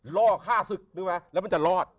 ล่อฆ่าศึกด้วยไหมแล้วมันจะรอด